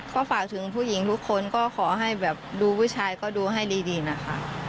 ก็ฝากถึงผู้หญิงทุกคนก็ขอให้แบบดูผู้ชายก็ดูให้ดีนะคะ